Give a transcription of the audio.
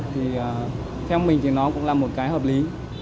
thì theo mình thì nó cũng là một cái hợp lý